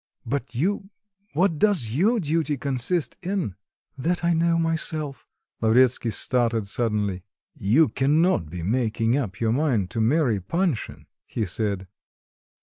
But you what does your duty consist in?" "That I know myself." Lavretsky started suddenly. "You cannot be making up your mind to marry Panshin?" he said.